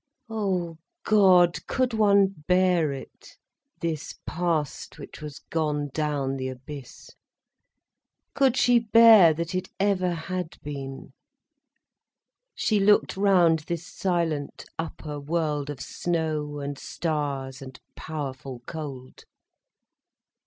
Oh, God, could one bear it, this past which was gone down the abyss? Could she bear, that it ever had been! She looked round this silent, upper world of snow and stars and powerful cold.